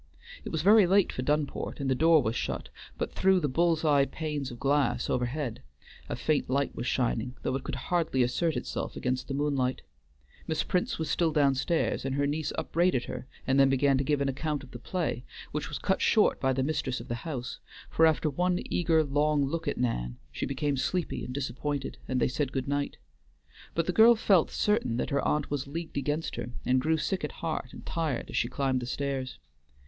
It was very late for Dunport, and the door was shut, but through the bull's eyed panes of glass overhead a faint light was shining, though it could hardly assert itself against the moonlight. Miss Prince was still down stairs, and her niece upbraided her, and then began to give an account of the play, which was cut short by the mistress of the house; for after one eager, long look at Nan, she became sleepy and disappointed, and they said good night; but the girl felt certain that her aunt was leagued against her, and grew sick at heart and tired as she climbed the stairs.